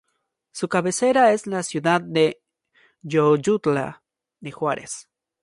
Su cabecera es la ciudad de Jojutla de Juárez.